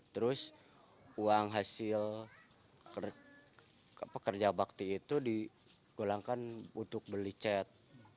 terus uang hasil pekerja bakti itu digolangkan untuk beli cat